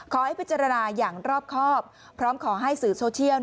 ขอให้พิจารณาอย่างรอบครอบพร้อมขอให้สื่อโซเชียล